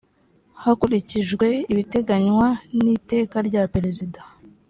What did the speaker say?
hakurikijwe ibiteganywa n iteka rya perezida